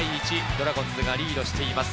ドラゴンズがリードしています。